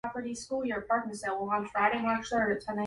It is known to be one of the least populated counties in South Korea.